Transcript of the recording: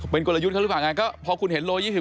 เป็นกลยุทธ์เขาหรือเปล่าน่ะก็พอคุณเห็นโลปูยี่สิบ